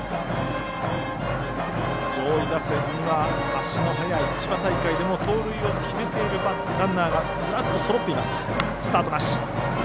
上位打線には足の速い千葉大会でも盗塁を決めているランナーがずらっと、そろっています。